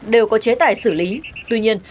đều có chế tài xử lý tuy nhiên